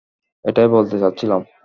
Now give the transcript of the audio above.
এটাই বলতে চাচ্ছিলাম।